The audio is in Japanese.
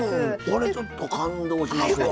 これちょっと感動しますわ。